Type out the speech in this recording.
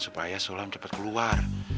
supaya sulam cepet keluar